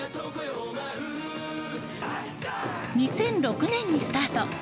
２００６年にスタート。